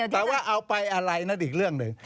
แต่ว่าเอาไปอะไรนั่นอีกเรื่องหนึ่ง